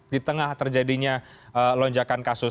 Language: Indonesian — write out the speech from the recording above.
di tengah terjadinya lonjakan kasus